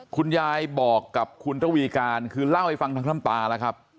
คุณยายบอกกับคุณตวีการคือเล่าให้ฟังทั้งน้ำตาแล้วครับ